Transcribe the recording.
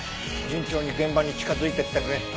順調に現場に近づいていってるね。